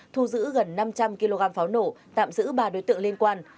thu giữ gần năm trăm linh kg pháo nổ tạm giữ ba đối tượng liên quan